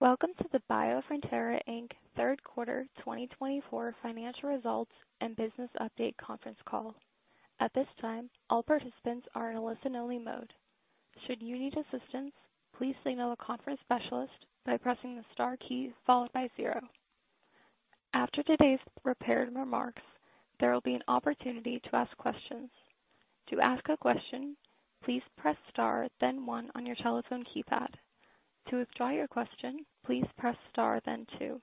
Welcome to the Biofrontera Inc. Third Quarter 2024 financial results and business update conference call. At this time, all participants are in a listen-only mode. Should you need assistance, please signal a conference specialist by pressing the star key followed by zero. After today's prepared remarks, there will be an opportunity to ask questions. To ask a question, please press star, then one on your telephone keypad. To withdraw your question, please press star, then two.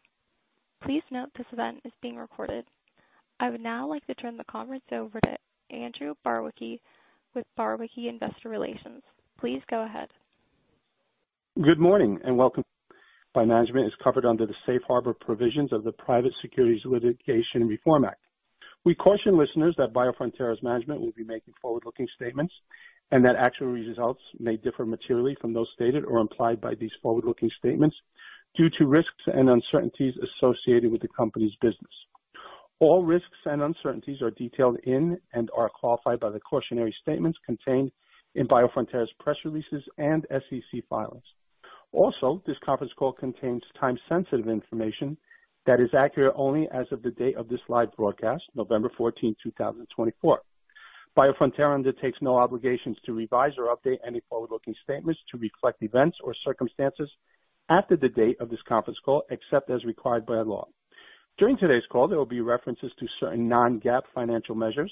Please note this event is being recorded. I would now like to turn the conference over to Andrew Barwicki, with Barwicki Investor Relations. Please go ahead. Good morning and welcome. By management, it is covered under the Safe Harbor provisions of the Private Securities Litigation Reform Act. We caution listeners that Biofrontera's management will be making forward-looking statements and that actual results may differ materially from those stated or implied by these forward-looking statements due to risks and uncertainties associated with the company's business. All risks and uncertainties are detailed in and are qualified by the cautionary statements contained in Biofrontera's press releases and SEC filings. Also, this conference call contains time-sensitive information that is accurate only as of the date of this live broadcast, November 14, 2024. Biofrontera undertakes no obligations to revise or update any forward-looking statements to reflect events or circumstances after the date of this conference call, except as required by law. During today's call, there will be references to certain non-GAAP financial measures.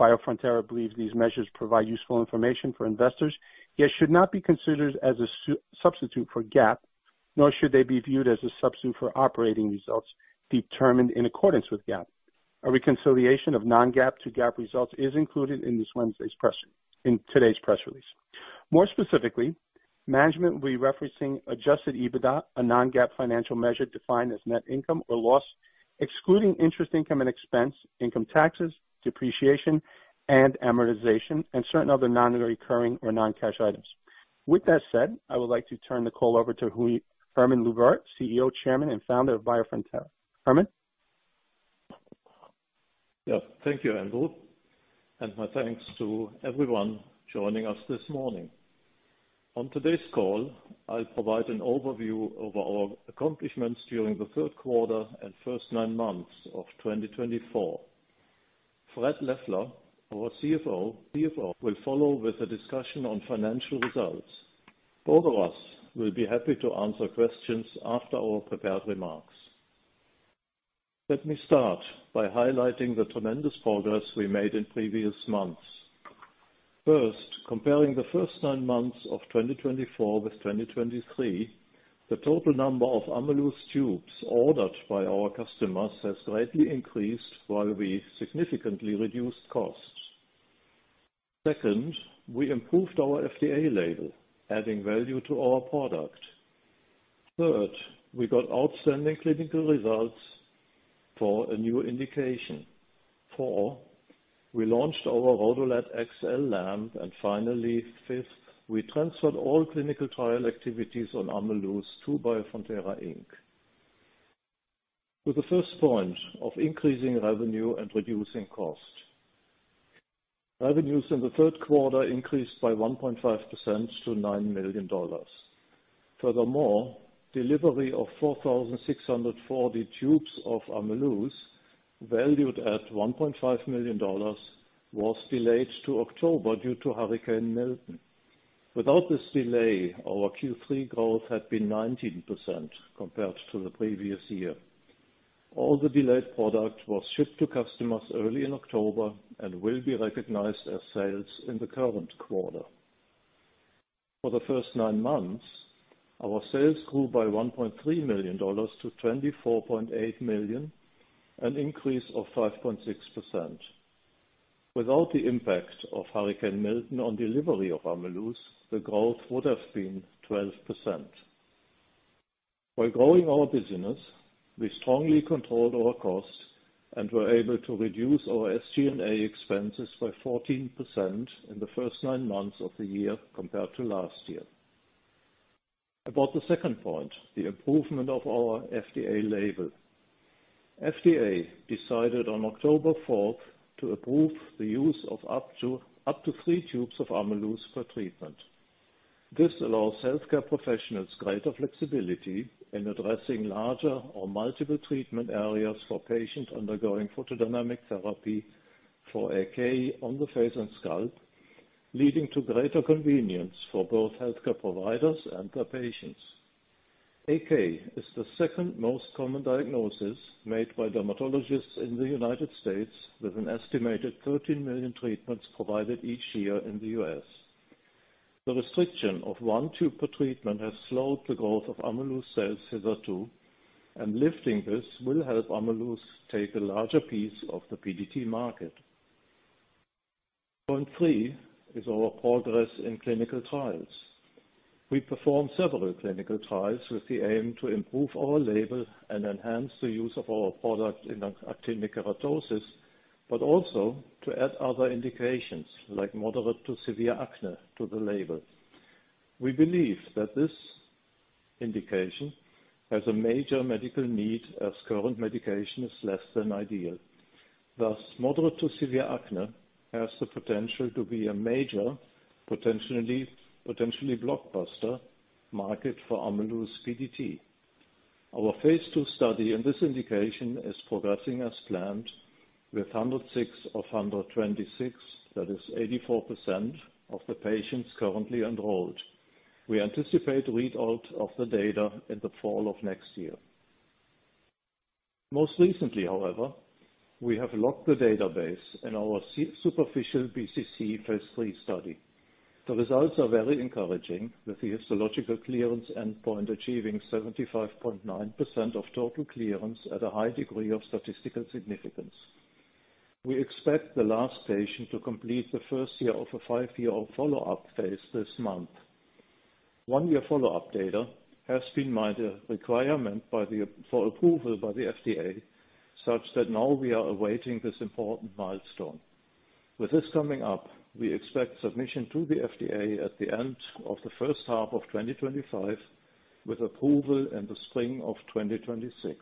Biofrontera believes these measures provide useful information for investors, yet should not be considered as a substitute for GAAP, nor should they be viewed as a substitute for operating results determined in accordance with GAAP. A reconciliation of non-GAAP to GAAP results is included in today's press release. More specifically, management will be referencing adjusted EBITDA, a non-GAAP financial measure defined as net income or loss, excluding interest income and expense, income taxes, depreciation, and amortization, and certain other non-recurring or non-cash items. With that said, I would like to turn the call over to Hermann Luebbert, CEO, Chairman, and Founder of Biofrontera. Hermann? Yes, thank you, Andrew, and my thanks to everyone joining us this morning. On today's call, I'll provide an overview of our accomplishments during the third quarter and first nine months of 2024. Fred Leffler, our CFO, will follow with a discussion on financial results. Both of us will be happy to answer questions after our prepared remarks. Let me start by highlighting the tremendous progress we made in previous months. First, comparing the first nine months of 2024 with 2023, the total number of AMELUZ tubes ordered by our customers has greatly increased while we significantly reduced costs. Second, we improved our FDA label, adding value to our product. Third, we got outstanding clinical results for a new indication. Four, we launched our RhodoLED XL lamp. And finally, fifth, we transferred all clinical trial activities on AMELUZ to Biofrontera Inc. With the first point of increasing revenue and reducing cost. Revenues in the third quarter increased by 1.5% to $9 million. Furthermore, delivery of 4,640 tubes of AMELUZ, valued at $1.5 million, was delayed to October due to Hurricane Milton. Without this delay, our Q3 growth had been 19% compared to the previous year. All the delayed product was shipped to customers early in October and will be recognized as sales in the current quarter. For the first nine months, our sales grew by $1.3 million to $24.8 million, an increase of 5.6%. Without the impact of Hurricane Milton on delivery of AMELUZ, the growth would have been 12%. By growing our business, we strongly controlled our costs and were able to reduce our SG&A expenses by 14% in the first nine months of the year compared to last year. About the second point, the improvement of our FDA label. FDA decided on October 4 to approve the use of up to three tubes of AMELUZ per treatment. This allows healthcare professionals greater flexibility in addressing larger or multiple treatment areas for patients undergoing photodynamic therapy for AK on the face and scalp, leading to greater convenience for both healthcare providers and their patients. AK is the second most common diagnosis made by dermatologists in the United States, with an estimated 13 million treatments provided each year in the U.S. The restriction of one tube per treatment has slowed the growth of AMELUZ sales hitherto, and lifting this will help AMELUZ take a larger piece of the PDT market. Point three is our progress in clinical trials. We perform several clinical trials with the aim to improve our label and enhance the use of our product in actinic keratosis, but also to add other indications like moderate to severe acne to the label. We believe that this indication has a major medical need as current medication is less than ideal. Thus, moderate to severe acne has the potential to be a major potentially blockbuster market for AMELUZ PDT. Our phase II study in this indication is progressing as planned with 106 of 126, that is 84% of the patients currently enrolled. We anticipate read-out of the data in the fall of next year. Most recently, however, we have locked the database in our superficial BCC phase three study. The results are very encouraging with the histological clearance endpoint achieving 75.9% of total clearance at a high degree of statistical significance. We expect the last patient to complete the first year of a five-year follow-up phase this month. One-year follow-up data has been made a requirement for approval by the FDA, such that now we are awaiting this important milestone. With this coming up, we expect submission to the FDA at the end of the first half of 2025, with approval in the spring of 2026.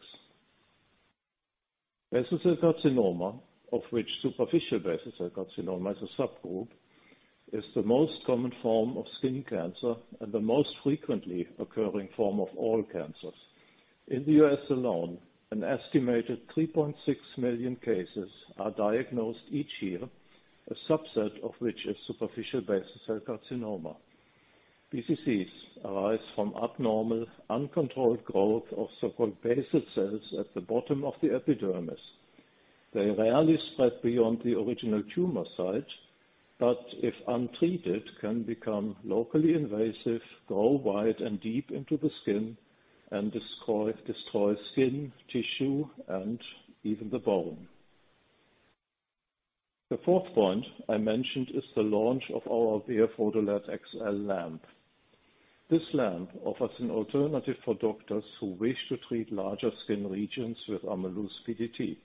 Basal cell carcinoma, of which superficial basal cell carcinoma is a subgroup, is the most common form of skin cancer and the most frequently occurring form of all cancers. In the U.S. alone, an estimated 3.6 million cases are diagnosed each year, a subset of which is superficial basal cell carcinoma. BCCs arise from abnormal, uncontrolled growth of so-called basal cells at the bottom of the epidermis. They rarely spread beyond the original tumor site, but if untreated, can become locally invasive, grow wide and deep into the skin, and destroy skin tissue and even the bone. The fourth point I mentioned is the launch of our RhodoLED XL lamp. This lamp offers an alternative for doctors who wish to treat larger skin regions with AMELUZ PDT.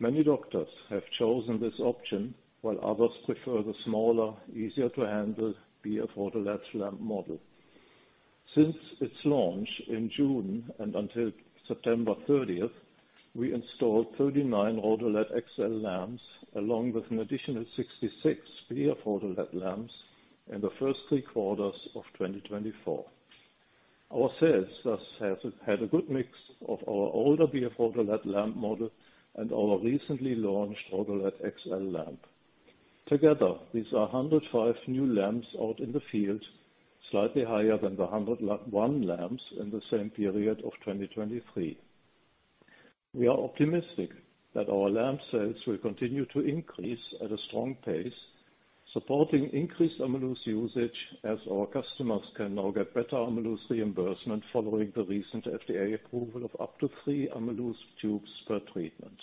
Many doctors have chosen this option, while others prefer the smaller, easier-to-handle BF-RhodoLED lamp model. Since its launch in June and until September 30, we installed 39 RhodoLED XL lamps along with an additional 66 BF-RhodoLED lamps in the first three quarters of 2024. Our sales thus have had a good mix of our older BF-RhodoLED lamp model and our recently launched RhodoLED XL lamp. Together, these are 105 new lamps out in the field, slightly higher than the 101 lamps in the same period of 2023. We are optimistic that our lamp sales will continue to increase at a strong pace, supporting increased AMELUZ usage as our customers can now get better AMELUZ reimbursement following the recent FDA approval of up to three AMELUZ tubes per treatment.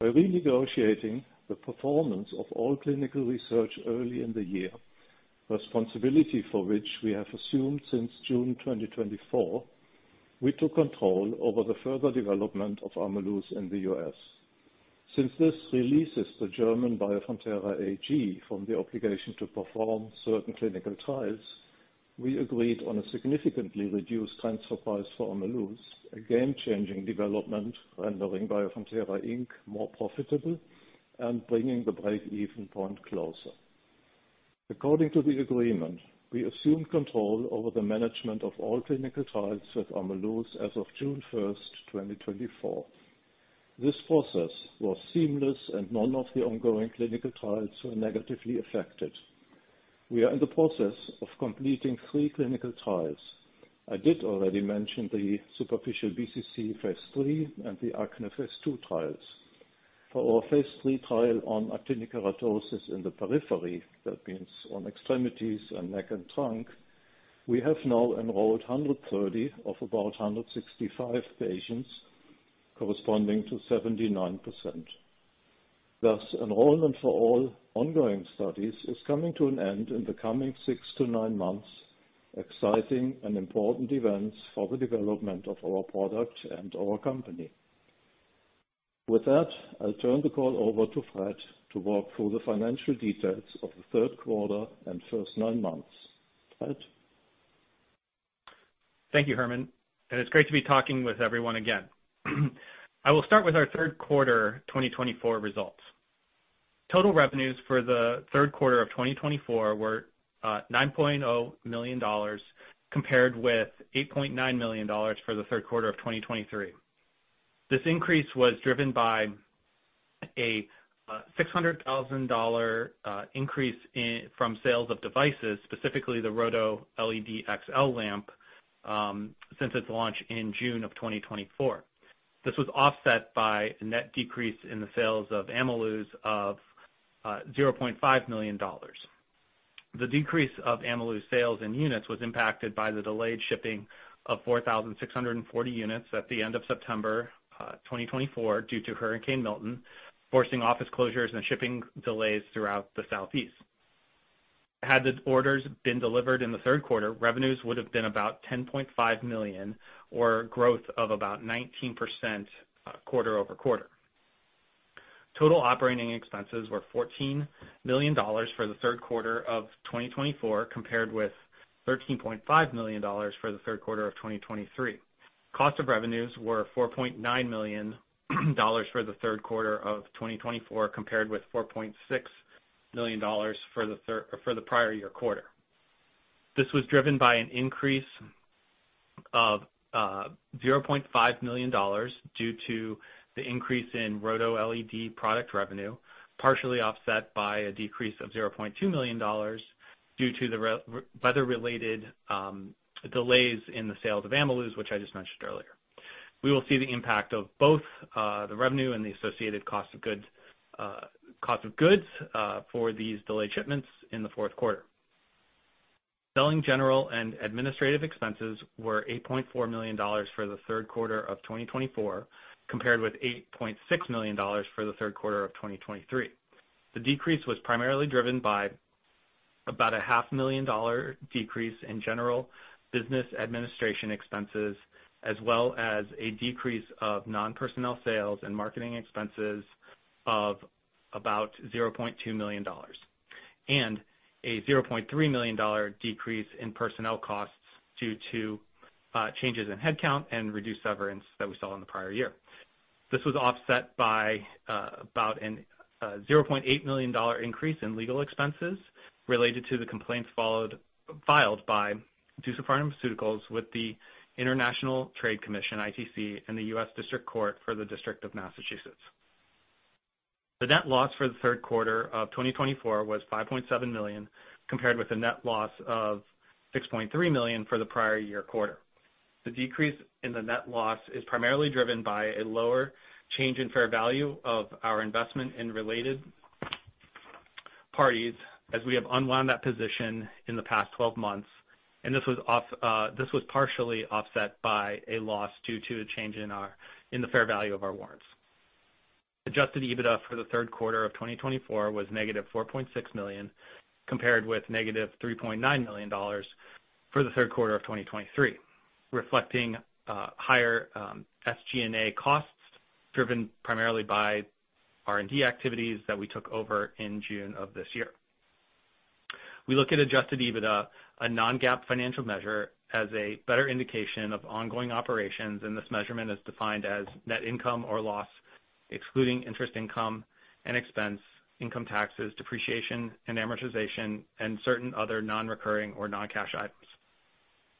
By renegotiating the performance of all clinical research early in the year, responsibility for which we have assumed since June 2024, we took control over the further development of AMELUZ in the U.S. Since this releases the German Biofrontera AG from the obligation to perform certain clinical trials, we agreed on a significantly reduced transfer price for AMELUZ, a game-changing development rendering Biofrontera Inc. more profitable and bringing the break-even point closer. According to the agreement, we assumed control over the management of all clinical trials with AMELUZ as of June 1, 2024. This process was seamless and none of the ongoing clinical trials were negatively affected. We are in the process of completing three clinical trials. I did already mention the superficial BCC phase III and the acne phase II trials. For our phase three trial on actinic keratosis in the periphery, that means on extremities and neck and trunk, we have now enrolled 130 of about 165 patients, corresponding to 79%. Thus, enrollment for all ongoing studies is coming to an end in the coming six to nine months, exciting and important events for the development of our product and our company. With that, I'll turn the call over to Fred to walk through the financial details of the third quarter and first nine months. Fred? Thank you, Hermann. It's great to be talking with everyone again. I will start with our third quarter 2024 results. Total revenues for the third quarter of 2024 were $9.0 million compared with $8.9 million for the third quarter of 2023. This increase was driven by a $600,000 increase from sales of devices, specifically the RhodoLED XL lamp, since its launch in June of 2024. This was offset by a net decrease in the sales of AMELUZ of $0.5 million. The decrease of AMELUZ sales and units was impacted by the delayed shipping of 4,640 units at the end of September 2024 due to Hurricane Milton, forcing office closures and shipping delays throughout the Southeast. Had the orders been delivered in the third quarter, revenues would have been about $10.5 million or growth of about 19% quarter over quarter. Total operating expenses were $14 million for the third quarter of 2024 compared with $13.5 million for the third quarter of 2023. Cost of revenues were $4.9 million for the third quarter of 2024 compared with $4.6 million for the prior year quarter. This was driven by an increase of $0.5 million due to the increase in RhodoLED product revenue, partially offset by a decrease of $0.2 million due to the weather-related delays in the sales of AMELUZ, which I just mentioned earlier. We will see the impact of both the revenue and the associated cost of goods for these delayed shipments in the fourth quarter. Selling, general, and administrative expenses were $8.4 million for the third quarter of 2024 compared with $8.6 million for the third quarter of 2023. The decrease was primarily driven by about a $500,000 decrease in general business administration expenses, as well as a decrease of non-personnel sales and marketing expenses of about $0.2 million and a $0.3 million decrease in personnel costs due to changes in headcount and reduced severance that we saw in the prior year. This was offset by about a $0.8 million increase in legal expenses related to the complaints filed by DUSA Pharmaceuticals with the International Trade Commission (ITC) and the U.S. District Court for the District of Massachusetts. The net loss for the third quarter of 2024 was $5.7 million compared with a net loss of $6.3 million for the prior year quarter. The decrease in the net loss is primarily driven by a lower change in fair value of our investment in related parties, as we have unwound that position in the past 12 months. This was partially offset by a loss due to a change in the fair value of our warrants. Adjusted EBITDA for the third quarter of 2024 was negative $4.6 million compared with negative $3.9 million for the third quarter of 2023, reflecting higher SG&A costs driven primarily by R&D activities that we took over in June of this year. We look at adjusted EBITDA, a non-GAAP financial measure, as a better indication of ongoing operations, and this measurement is defined as net income or loss, excluding interest income and expense, income taxes, depreciation and amortization, and certain other non-recurring or non-cash items.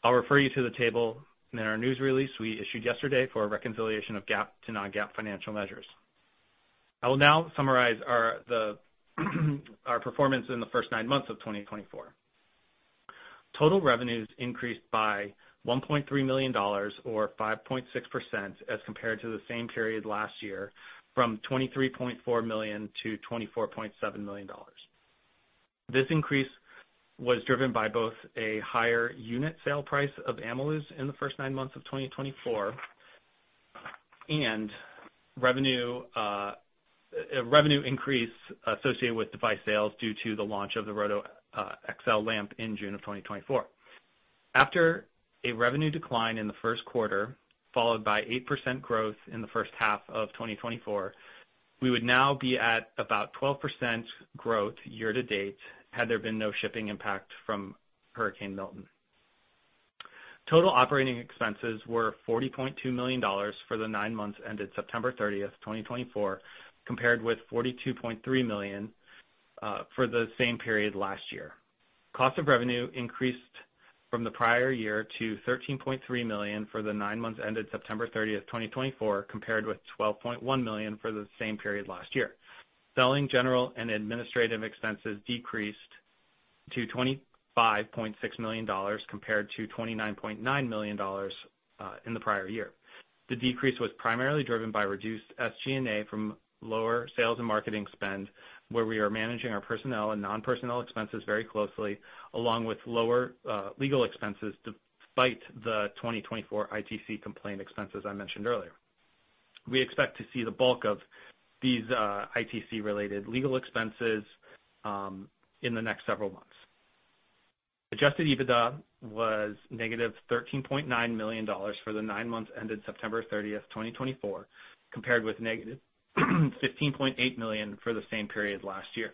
I'll refer you to the table in our news release we issued yesterday for reconciliation of GAAP to non-GAAP financial measures. I will now summarize our performance in the first nine months of 2024. Total revenues increased by $1.3 million or 5.6% as compared to the same period last year, from $23.4 million to $24.7 million. This increase was driven by both a higher unit sale price of AMELUZ in the first nine months of 2024 and revenue increase associated with device sales due to the launch of the RhodoLED XL lamp in June of 2024. After a revenue decline in the first quarter, followed by 8% growth in the first half of 2024, we would now be at about 12% growth year to date had there been no shipping impact from Hurricane Milton. Total operating expenses were $40.2 million for the nine months ended September 30, 2024, compared with $42.3 million for the same period last year. Cost of revenue increased from the prior year to $13.3 million for the nine months ended September 30, 2024, compared with $12.1 million for the same period last year. Selling, general, and administrative expenses decreased to $25.6 million compared to $29.9 million in the prior year. The decrease was primarily driven by reduced SG&A from lower sales and marketing spend, where we are managing our personnel and non-personnel expenses very closely, along with lower legal expenses to fight the 2024 ITC complaint expenses I mentioned earlier. We expect to see the bulk of these ITC-related legal expenses in the next several months. Adjusted EBITDA was -$13.9 million for the nine months ended September 30, 2024, compared with -$15.8 million for the same period last year.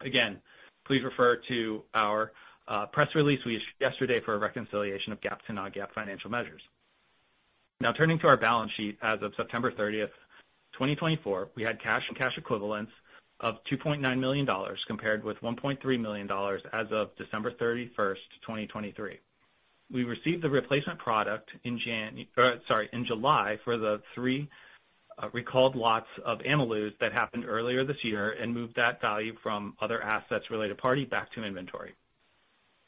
Again, please refer to our press release we issued yesterday for reconciliation of GAAP to non-GAAP financial measures. Now, turning to our balance sheet as of September 30, 2024, we had cash and cash equivalents of $2.9 million compared with $1.3 million as of December 31, 2023. We received the replacement product in July for the three recalled lots of AMELUZ that happened earlier this year and moved that value from other assets related party back to inventory.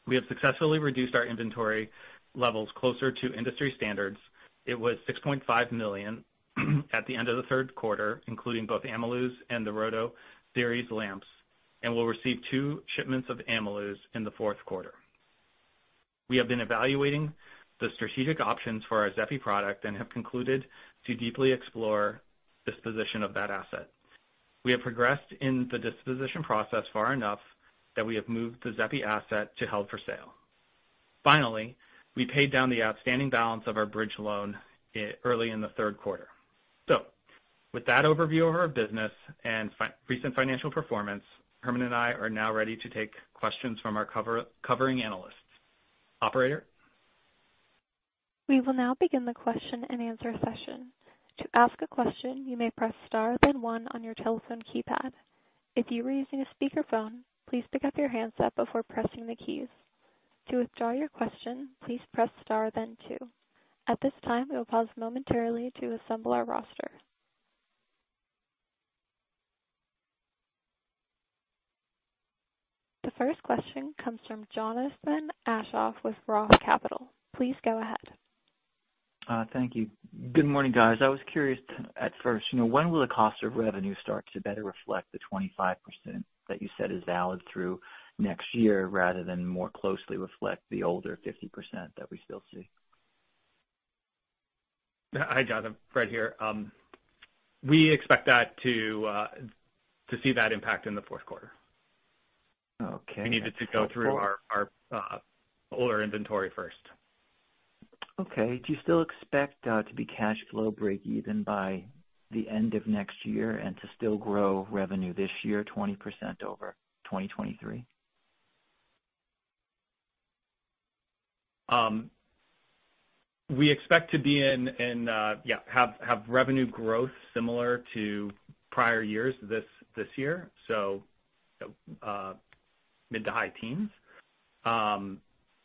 We have successfully reduced our inventory levels closer to industry standards. It was $6.5 million at the end of the third quarter, including both AMELUZ and the Rhodo series lamps, and we'll receive two shipments of AMELUZ in the fourth quarter. We have been evaluating the strategic options for our XEPI product and have concluded to deeply explore disposition of that asset. We have progressed in the disposition process far enough that we have moved the XEPI asset to held for sale. Finally, we paid down the outstanding balance of our bridge loan early in the third quarter. So, with that overview of our business and recent financial performance, Hermann and I are now ready to take questions from our covering analysts. Operator? We will now begin the question and answer session. To ask a question, you may press star then one on your telephone keypad. If you are using a speakerphone, please pick up your handset before pressing the keys. To withdraw your question, please press star then two. At this time, we will pause momentarily to assemble our roster. The first question comes from Jonathan Aschoff with Roth Capital. Please go ahead. Thank you. Good morning, guys. I was curious at first, when will the cost of revenue start to better reflect the 25% that you said is valid through next year rather than more closely reflect the older 50% that we still see? Hi, Jonathan. Fred here. We expect to see that impact in the fourth quarter. Okay. We needed to go through our older inventory first. Okay. Do you still expect to be cash flow break-even by the end of next year and to still grow revenue this year 20% over 2023? We expect to have revenue growth similar to prior years this year, so mid- to high teens.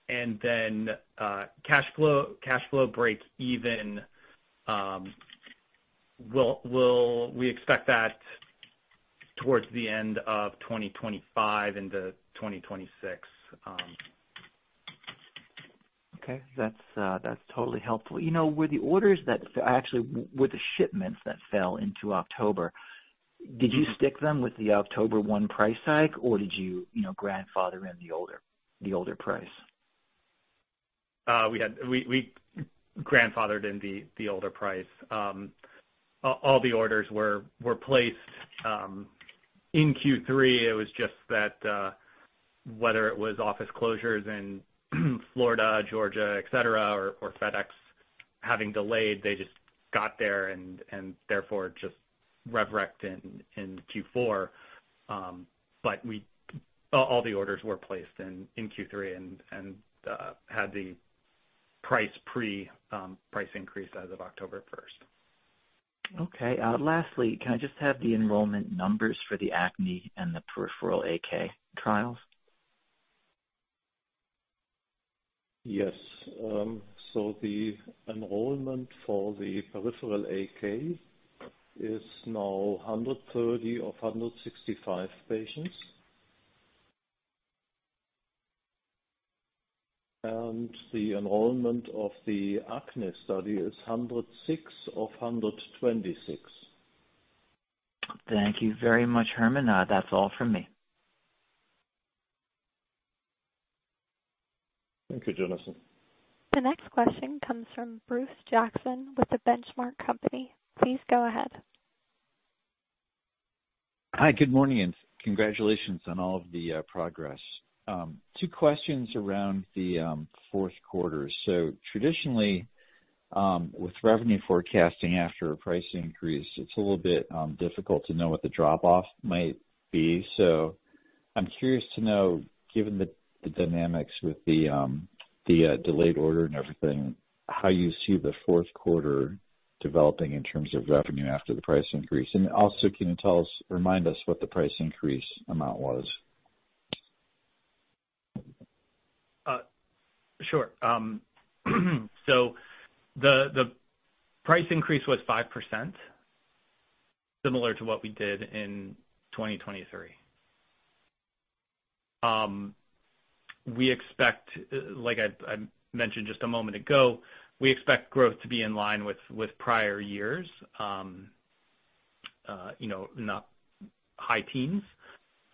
And then cash flow break-even, we expect that towards the end of 2025 into 2026. Okay. That's totally helpful. You know, with the shipments that fell into October, did you stick them with the October 1 price hike, or did you grandfather in the older price? We grandfathered in the older price. All the orders were placed in Q3. It was just that whether it was office closures in Florida, Georgia, etc., or FedEx having delayed, they just got there and therefore just resurrected in Q4. But all the orders were placed in Q3 and had the price increase as of October 1. Okay. Lastly, can I just have the enrollment numbers for the acne and the peripheral AK trials? Yes, so the enrollment for the peripheral AK is now 130 of 165 patients, and the enrollment of the acne study is 106 of 126. Thank you very much, Hermann. That's all from me. Thank you, Jonathan. The next question comes from Bruce Jackson with The Benchmark Company. Please go ahead. Hi, good morning, and congratulations on all of the progress. Two questions around the fourth quarter so traditionally, with revenue forecasting after a price increase, it's a little bit difficult to know what the drop-off might be so I'm curious to know, given the dynamics with the delayed order and everything, how you see the fourth quarter developing in terms of revenue after the price increase and also, can you remind us what the price increase amount was? Sure. So the price increase was 5%, similar to what we did in 2023. Like I mentioned just a moment ago, we expect growth to be in line with prior years, high teens.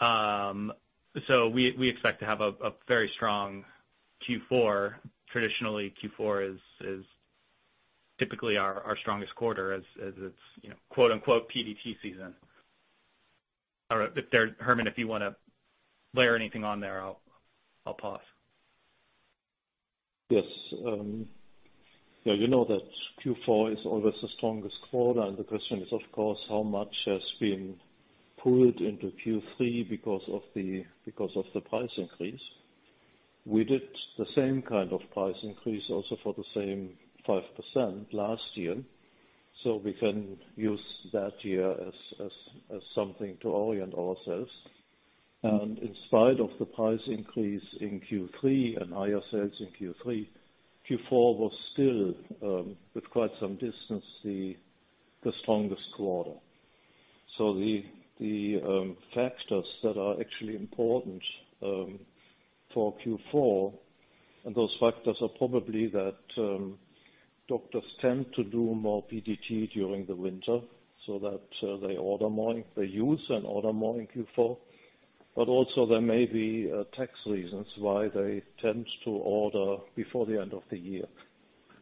So we expect to have a very strong Q4. Traditionally, Q4 is typically our strongest quarter as it's "PDT season." Hermann, if you want to layer anything on there, I'll pause. Yes. Yeah, you know that Q4 is always the strongest quarter, and the question is, of course, how much has been pulled into Q3 because of the price increase. We did the same kind of price increase also for the same 5% last year, so we can use that year as something to orient ourselves. And in spite of the price increase in Q3 and higher sales in Q3, Q4 was still, with quite some distance, the strongest quarter, so the factors that are actually important for Q4, and those factors are probably that doctors tend to do more PDT during the winter, so that they use and order more in Q4. But also, there may be tax reasons why they tend to order before the end of the year,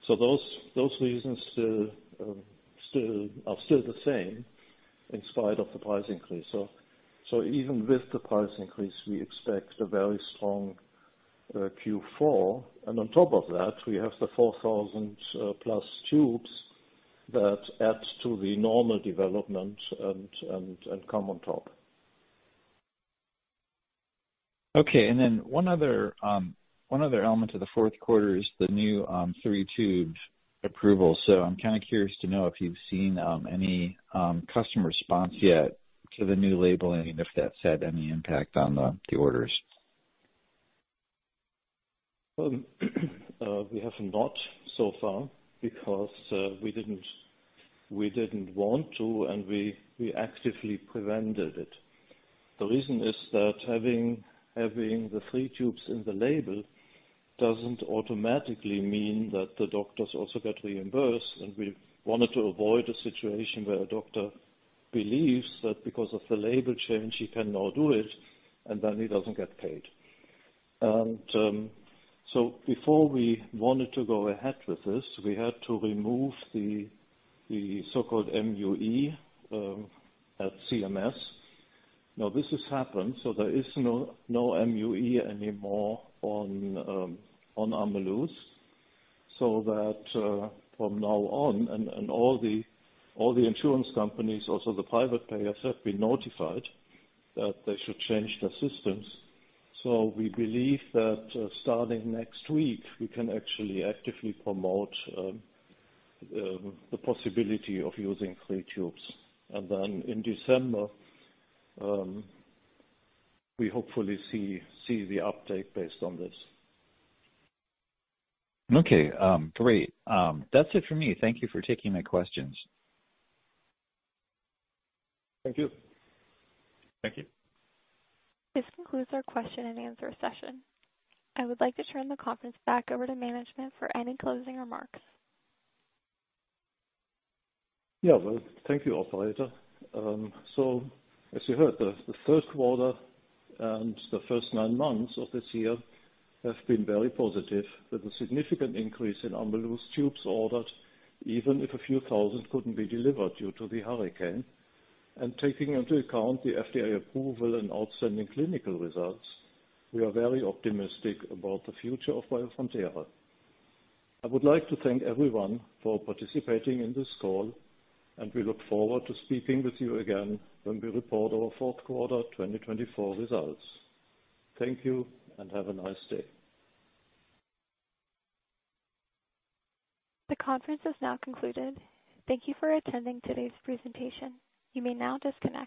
so those reasons are still the same in spite of the price increase. So even with the price increase, we expect a very strong Q4. And on top of that, we have the 4,000+ tubes that add to the normal development and come on top. Okay. And then one other element of the fourth quarter is the new three-tube approval. So I'm kind of curious to know if you've seen any customer response yet to the new labeling, if that's had any impact on the orders. We have not so far because we didn't want to, and we actively prevented it. The reason is that having the three tubes in the label doesn't automatically mean that the doctors also get reimbursed. And we wanted to avoid a situation where a doctor believes that because of the label change, he can now do it, and then he doesn't get paid. And so before we wanted to go ahead with this, we had to remove the so-called MUE at CMS. Now, this has happened, so there is no MUE anymore on AMELUZ. So that from now on, and all the insurance companies, also the private payers, have been notified that they should change their systems. So we believe that starting next week, we can actually actively promote the possibility of using three tubes. And then in December, we hopefully see the uptake based on this. Okay. Great. That's it for me. Thank you for taking my questions. Thank you. Thank you. This concludes our question and answer session. I would like to turn the conference back over to management for any closing remarks. Yeah. Well, thank you, Operator. So as you heard, the third quarter and the first nine months of this year have been very positive, with a significant increase in AMELUZ tubes ordered, even if a few thousand couldn't be delivered due to the hurricane. And taking into account the FDA approval and outstanding clinical results, we are very optimistic about the future of Biofrontera. I would like to thank everyone for participating in this call, and we look forward to speaking with you again when we report our fourth quarter 2024 results. Thank you and have a nice day. The conference has now concluded. Thank you for attending today's presentation. You may now disconnect.